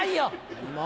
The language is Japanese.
何も。